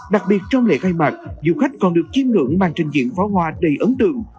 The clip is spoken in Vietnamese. đặc biệt trong lễ khai mạc du khách còn được chiêm ngưỡng màn trình diễn pháo hoa đầy ấn tượng